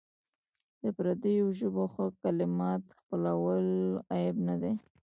د پردیو ژبو ښه کلمات خپلول عیب نه دی.